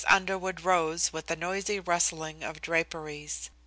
Underwood rose with a noisy rustling of draperies.